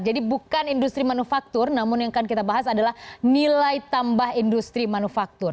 jadi bukan industri manufaktur namun yang akan kita bahas adalah nilai tambah industri manufaktur